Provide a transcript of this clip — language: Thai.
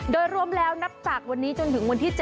โดยรวมแล้วนับจากวันนี้จนถึงวันที่๗